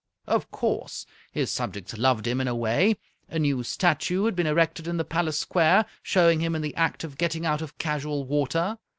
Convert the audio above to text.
Of course, his subjects loved him in a way. A new statue had been erected in the palace square, showing him in the act of getting out of casual water.